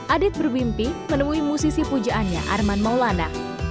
adit bermimpi menemui musisi pujaannya arman maulana